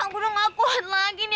aku udah gak kuat lagi nih